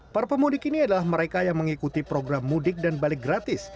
para pemudik ini adalah mereka yang mengikuti program mudik dan balik gratis